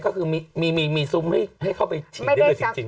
ก็คือมีซุ้มให้เข้าไปฉีดได้เลยจริง